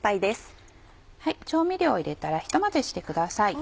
調味料を入れたらひと混ぜしてください。